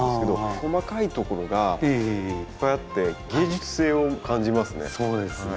細かいところがいっぱいあって芸術性を感じますね。